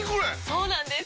そうなんです！